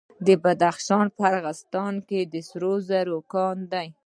د بدخشان په راغستان کې سرو زرو کان دی.